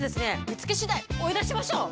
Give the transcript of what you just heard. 見つけ次第追い出しましょう！